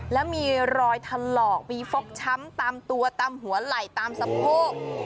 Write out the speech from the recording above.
แล้วมีรอยถลอกมีฟกช้ำตามตัวตามหัวไหล่ตามสะโพก